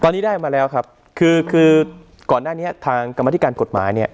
ตอนนี้ได้มาแล้วครับคือคือก่อนหน้านี้ทางกรรมธิการกฎหมายเนี่ย